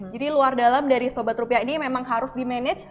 jadi luar dalam dari sobat rupiah ini memang harus dimanage